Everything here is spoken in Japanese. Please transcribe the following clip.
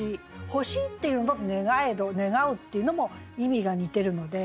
「欲しい」っていうのと「願えど」「願う」っていうのも意味が似てるので。